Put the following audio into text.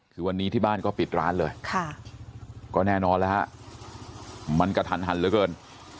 คือวันนี้ที่บ้านก็ปิดร้านเลยก็แน่นอนแล้วฮะมันกระทันหันเหลือเกิน